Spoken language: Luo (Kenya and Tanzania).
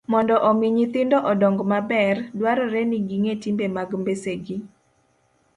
Mondo omi nyithindo odong maber, dwarore ni ging'e timbe mag mbesegi.